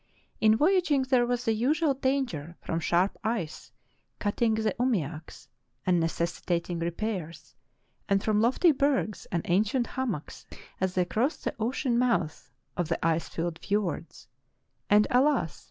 In voyaging there was the usual danger from sharp ice cutting the umiaks and necessitating repairs, and from lofty bergs and ancient hummocks as they crossed the ocean mouths of the ice filled fiords, and alas!